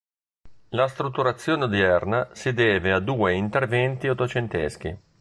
La strutturazione odierna si deve a due interventi ottocenteschi.